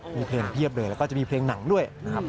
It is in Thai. มีเพลงเพียบเลยแล้วก็จะมีเพลงหนังด้วยนะครับ